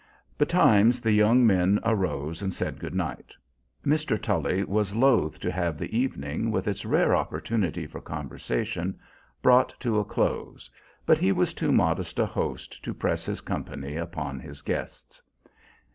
Betimes the young men arose and said good night. Mr. Tully was loath to have the evening, with its rare opportunity for conversation, brought to a close, but he was too modest a host to press his company upon his guests.